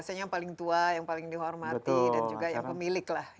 biasanya yang paling tua yang paling dihormati dan juga yang pemilik lah